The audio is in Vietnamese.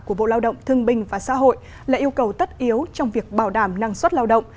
của bộ lao động thương binh và xã hội là yêu cầu tất yếu trong việc bảo đảm năng suất lao động